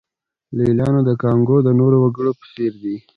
لېلیانو د کانګو د نورو وګړو په څېر.